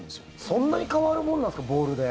そんなに変わるものなんですかボールで。